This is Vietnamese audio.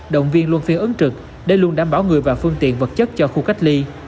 động viên luôn phiên ứng trực để luôn đảm bảo người và phương tiện vật chất cho khu cách ly